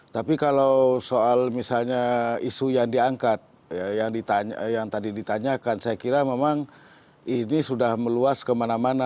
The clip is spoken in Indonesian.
tapi kalau soal misalnya isu yang diangkat yang tadi ditanyakan saya kira memang ini sudah meluas kemana mana